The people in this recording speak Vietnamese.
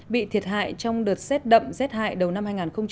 bị thiệt hại trong đợt xét đậm xét hại đầu năm hai nghìn một mươi sáu